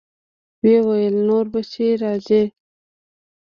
ويې ويل نور به چې راځې.